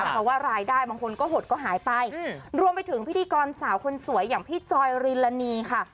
เพราะว่ารายได้บางคนก็หดก็หายไปรวมไปถึงพิธีกรสาวคนสวยอย่างพี่จอยริลานีค่ะ